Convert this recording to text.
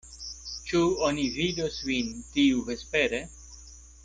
Ĉu oni vidos vin tiuvespere?